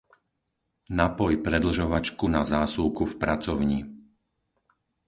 Napoj predlžovačku na zásuvku v pracovni.